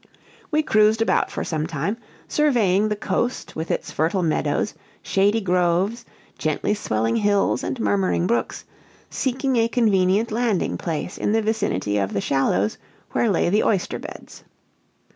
We cruised about for some time, surveying the coast with its fertile meadows, shady groves, gently swelling hills, and murmuring brooks, seeking a convenient landing place in the vicinity of the shallows where lay the oyster beds.